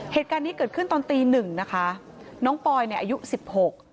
เหตุการณ์นี้เกิดขึ้นตอนตีหนึ่งนะคะน้องปอยเนี่ยอายุสิบหก